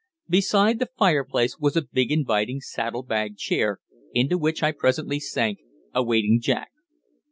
Beside the fireplace was a big inviting saddle bag chair, into which I presently sank, awaiting Jack.